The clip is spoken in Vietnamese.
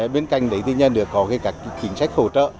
bên cạnh đấy thì nhà nước có các chính sách hỗ trợ